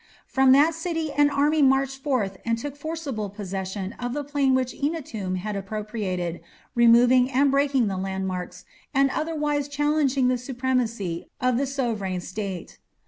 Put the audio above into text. From that city an army marched forth and took forcible possession of the plain which Eannatum had appropriated, removing and breaking the landmarks, and otherwise challenging the supremacy of the sovran state.